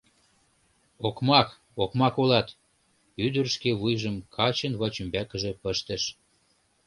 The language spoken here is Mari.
— Окмак, окмак улат... — ӱдыр шке вуйжым качын вачӱмбакыже пыштыш.